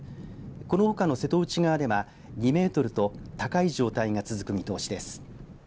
このほかの瀬戸内側では２メートルと高い状態が続く見通しです。